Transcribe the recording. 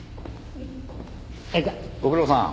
ご苦労さん。